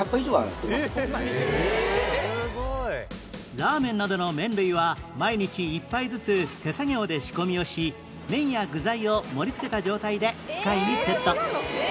ラーメンなどの麺類は毎日一杯ずつ手作業で仕込みをし麺や具材を盛り付けた状態で機械にセット